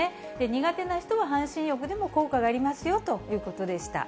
苦手な人は半身浴でも効果がありますよということでした。